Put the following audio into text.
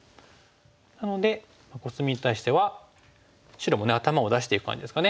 なのでコスミに対しては白も頭を出していく感じですかね。